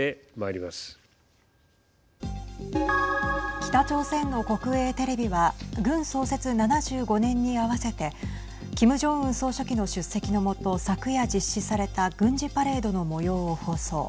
北朝鮮の国営テレビは軍創設７５年に合わせてキム・ジョンウン総書記の出席の下昨夜実施された軍事パレードのもようを放送。